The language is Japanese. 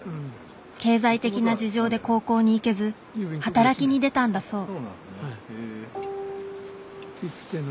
経済的な事情で高校に行けず働きに出たんだそう。